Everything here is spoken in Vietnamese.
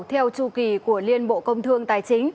theo chu kỳ của liên bộ công thương tài chính